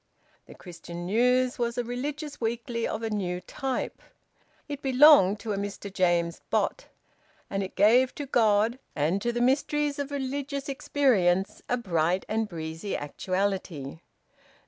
"The Christian News" was a religious weekly of a new type. It belonged to a Mr James Bott, and it gave to God and to the mysteries of religious experience a bright and breezy actuality.